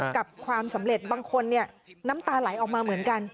กับความสำเร็จบางคนน้ำตาไหลออกมาเหมือนกัน